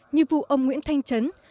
như vụ ông nguyễn thanh trấn